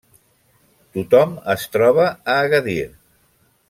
Tothom es troba a Agadir.